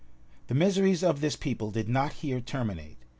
The miseries of this people did not here terminate.